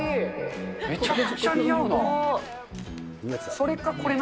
めちゃくちゃ似合うな。